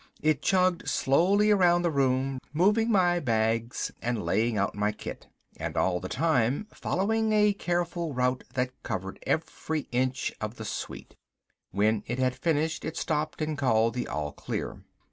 It chugged slowly around the room, moving my bags and laying out my kit. And all the time following a careful route that covered every inch of the suite. When it had finished it stopped and called the all clear.